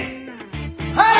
はい！